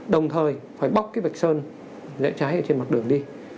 đồng thời phải bóc cái vạch sơn rẽ trái ở trên mặt đường đi